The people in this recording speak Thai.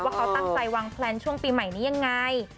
เขาตั้งใจวางแพลนช่วงปีใหม่นี้ยังไง